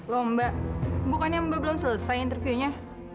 lomba bukannya mbak belum selesai interviewnya